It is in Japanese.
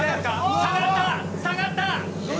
下がった、下がった。